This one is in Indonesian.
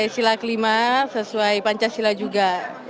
sila kelima sesuai pancasila juga